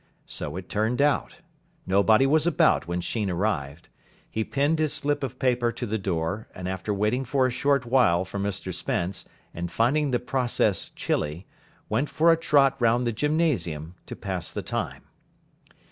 So it turned out. Nobody was about when Sheen arrived. He pinned his slip of paper to the door, and, after waiting for a short while for Mr Spence and finding the process chilly, went for a trot round the gymnasium to pass the time.